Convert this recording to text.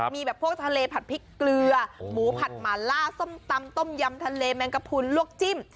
มีแบบพวกทะเลผัดพริกเกลือหมูผัดหมาล่าส้มตำต้มยำทะเลแมงกระพุนลวกจิ้ม